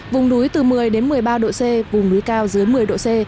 vùng núi từ một mươi đến một mươi ba độ c vùng núi cao dưới một mươi độ c